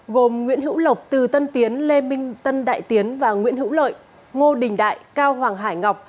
gồm nguyễn hữu lộc từ tân tiến lê minh tân đại tiến và nguyễn hữu lợi ngô đình đại cao hoàng hải ngọc